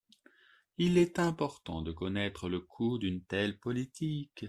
Il est important de connaître le coût d’une telle politique.